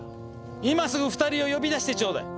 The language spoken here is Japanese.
今すぐ２人を呼び出してちょうだい。